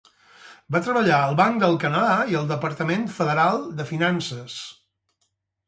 Va treballar al Banc del Canadà i al Departament Federal de Finances.